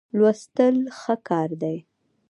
لوستل ښه کار دی.